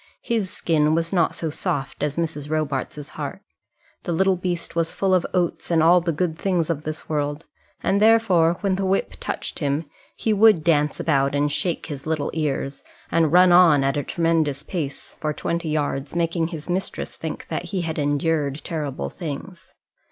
His skin was not so soft as Mrs. Robarts's heart. The little beast was full of oats and all the good things of this world, and therefore, when the whip touched him, he would dance about and shake his little ears, and run on at a tremendous pace for twenty yards, making his mistress think that he had endured terrible things.